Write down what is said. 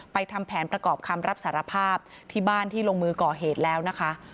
ทำแผนประกอบคำรับสารภาพที่บ้านที่ลงมือก่อเหตุแล้วนะคะ